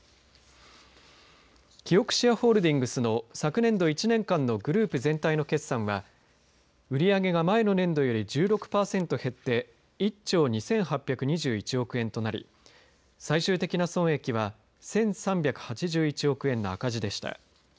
キオクシアホールディングスの昨年度１年間のグループ全体の決算は売り上げが前の年度より１６パーセント減って１兆２８２１億円となり最終的な損益は１３８１憶円の赤字でした。